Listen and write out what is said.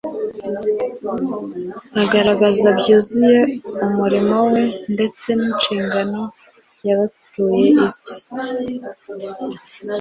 agaragaza byuzuye umurimo We ndetse n’inshingano y’abatuye isi